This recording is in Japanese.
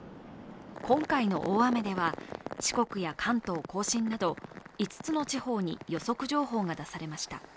今回の大雨では、四国や関東甲信など５つの地方に予測情報が出されました。